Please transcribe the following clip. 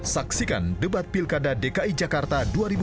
saksikan debat pilkada dki jakarta dua ribu tujuh belas